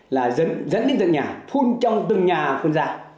là dẫn đến tận nhà phun trong từng nhà phun già